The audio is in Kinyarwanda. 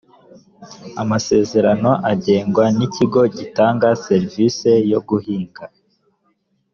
amasezerano agengwa n ikigo gitanga serivisi yo guhinga